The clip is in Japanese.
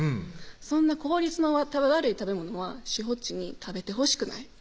「そんな効率の悪い食べ物はしほっちに食べてほしくない」